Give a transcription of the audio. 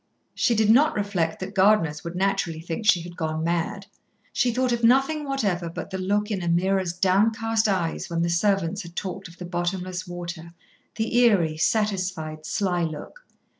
She did not reflect that gardeners would naturally think she had gone mad. She thought of nothing whatever but the look in Ameerah's downcast eyes when the servants had talked of the bottomless water, the eerie, satisfied, sly look.